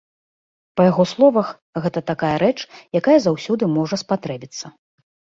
Па яго словах, гэта такая рэч, якая заўсёды можа спатрэбіцца.